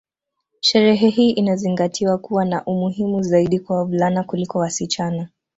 Sherehe hii inazingatiwa kuwa na umuhimu zaidi kwa wavulana kuliko wasichana